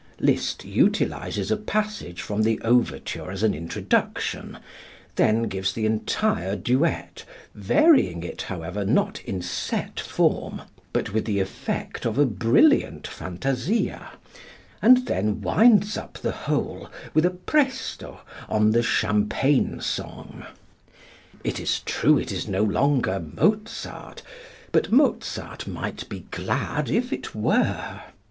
Liszt utilizes a passage from the overture as an introduction, then gives the entire duet, varying it, however, not in set form, but with the effect of a brilliant fantasia, and then winds up the whole with a presto on the "Champagne Song." It is true it no longer is Mozart but Mozart might be glad if it were.